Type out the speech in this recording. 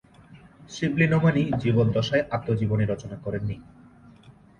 শিবলী নোমানী জীবদ্দশায় আত্মজীবনী রচনা করেন নি।